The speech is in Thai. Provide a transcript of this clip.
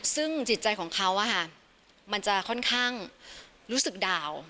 ซึ่งจิตใจของเขามันจะค่อนข้างรู้สึกดาว